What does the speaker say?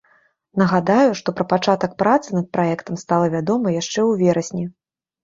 Нагадаю, што пра пачатак працы над праектам стала вядома яшчэ ў верасні.